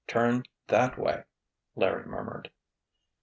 Turn that way!" Larry murmured.